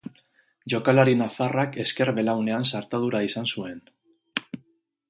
Jokalari nafarrak ezker belaunean zartadura izan zuen.